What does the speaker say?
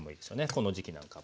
この時期なんかは。